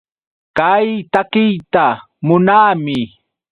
Kay takiyta munaami.